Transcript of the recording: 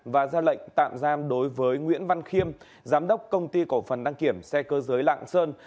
và ra lệnh tạm giam đối với nguyễn văn khiêm giám đốc công ty cổ phần đăng kiểm xe cơ giới lạng sơn